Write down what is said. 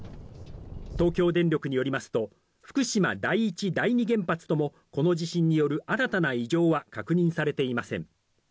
東京電力によりますと、福島第一、第二原発とも、この地震による新たな異常は確認されていません。